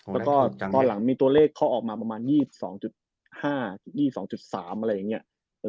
แล้วก็ตอนหลังมีตัวเลขเขาออกมาประมาณ๒๒๕๒๒๓อะไรอย่างนี้